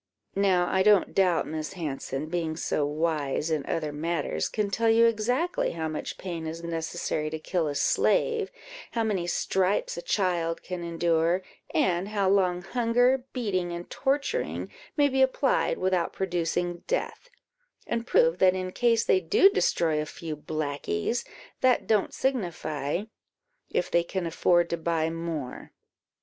Now I don't doubt, Miss Hanson, being so wise in other matters, can tell you exactly how much pain is necessary to kill a slave, how many stripes a child can endure, and how long hunger, beating, and torturing, may be applied without producing death; and prove that in case they do destroy a few blackies, that don't signify, if they can afford to buy more."